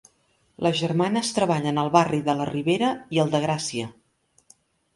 Les germanes treballen al barri de La Ribera i al de Gràcia.